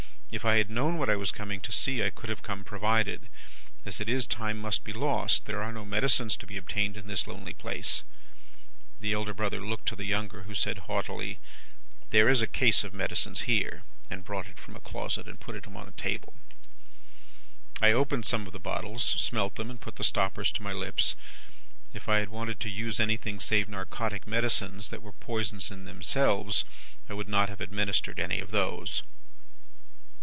If I had known what I was coming to see, I could have come provided. As it is, time must be lost. There are no medicines to be obtained in this lonely place.' "The elder brother looked to the younger, who said haughtily, 'There is a case of medicines here;' and brought it from a closet, and put it on the table. "I opened some of the bottles, smelt them, and put the stoppers to my lips. If I had wanted to use anything save narcotic medicines that were poisons in themselves, I would not have administered any of those.